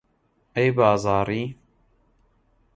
ئەی بازاڕی